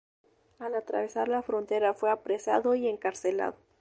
Al atravesar la frontera fue apresado y encarcelado.